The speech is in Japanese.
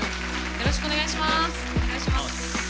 よろしくお願いします！